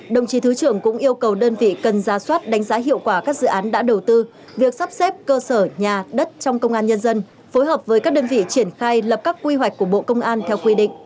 đồng chí thứ trưởng cũng yêu cầu đơn vị cần ra soát đánh giá hiệu quả các dự án đã đầu tư việc sắp xếp cơ sở nhà đất trong công an nhân dân phối hợp với các đơn vị triển khai lập các quy hoạch của bộ công an theo quy định